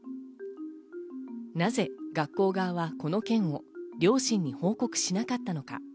なぜ学校側は、この件を両親に報告しなかったのか。